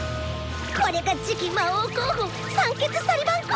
これが次期魔王候補三傑サリバン公！